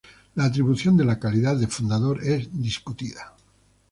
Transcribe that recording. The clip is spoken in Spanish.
La atribución de la calidad de fundador es discutida.